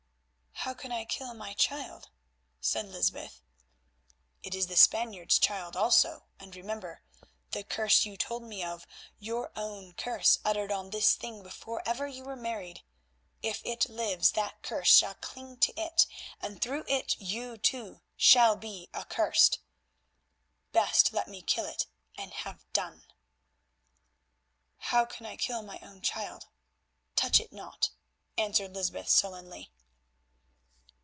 "How can I kill my child?" said Lysbeth. "It is the Spaniard's child also, and remember the curse you told me of, your own curse uttered on this thing before ever you were married? If it lives that curse shall cling to it, and through it you, too, shall be accursed. Best let me kill it and have done." "How can I kill my own child? Touch it not," answered Lysbeth sullenly.